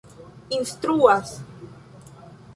instruas